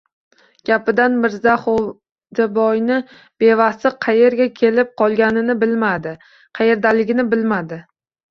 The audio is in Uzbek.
Gapidan, Mirzaxo‘jaboyni bevasi qaerga kelib qolganini bilmadi, qaerdaligini bilmadi.